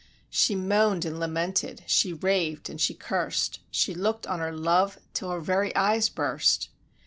She moan'd and lamented, she rav'd and she curst; She look'd on her love, till her very eyes burst.